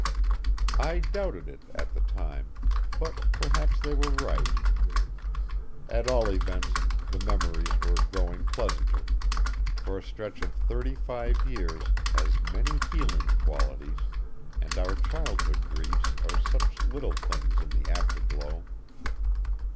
I doubted it at the time, but perhaps they were right. At all events the memories were growing pleasanter, for a stretch of thirty five years has many healing qualities, and our childhood griefs are such little things in the afterglow.